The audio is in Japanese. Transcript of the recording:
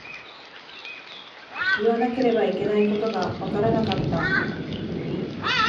言わなければいけないことがわからなかった。